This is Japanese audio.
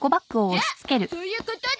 じゃあそういうことで！